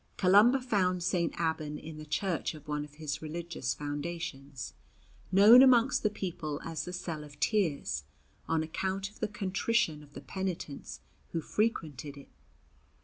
Columba found St. Abban in the Church of one of his religious foundations, known amongst the people as the "Cell of Tears" on account of the contrition of the penitents who frequented it.